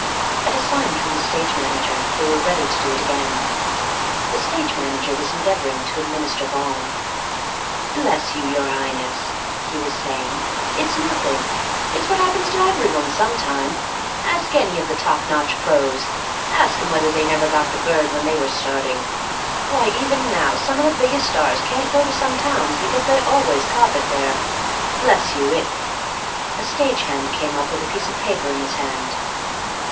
At a sign from the stage manager they were ready to do it again. The stage manager was endeavouring to administer balm. "Bless you, your Highness," he was saying, "it's nothing. It's what happens to everyone some time. Ask any of the top notch pros. Ask 'em whether they never got the bird when they were starting. Why, even now some of the biggest stars can't go to some towns because they always cop it there. Bless you, it " A stage hand came up with a piece of paper in his hand.